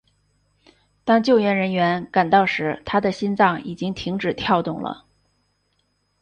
当救援人员赶到时他的心脏已经停止跳动了。